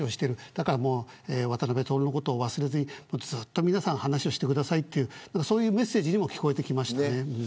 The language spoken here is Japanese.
だから、渡辺徹のこと忘れずに皆さん、ずっと話をしてくださいそういうメッセージにも聞こえてきました。